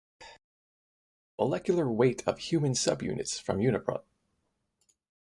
Molecular weight of human subunits from Uniprot.